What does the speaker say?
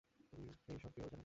তুমি এই সব কিভাবে জানো?